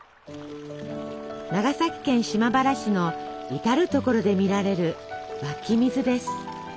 長崎県島原市の至る所で見られる湧き水です。